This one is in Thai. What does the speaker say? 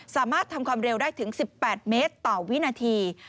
สามารถทำความเร็วได้ถึง๑๘เมตรต่อวินาที